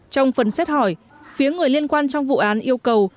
trong phần xét hỏi phía người liên quan trong vụ án yêu cầu